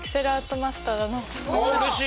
おうれしい！